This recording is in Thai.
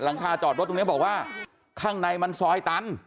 คาจอดรถตรงนี้บอกว่าข้างในมันซอยตัน